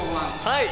はい。